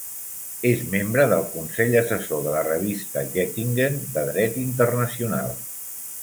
És membre del consell assessor de la revista "Goettingen" de dret internacional.